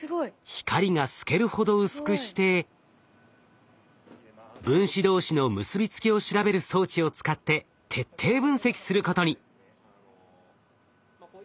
光が透けるほど薄くして分子同士の結び付きを調べる装置を使って徹底分析することに。